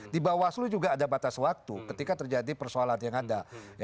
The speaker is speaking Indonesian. di bawah seluruh juga ada batas waktu ketika terjadi persolat yang ada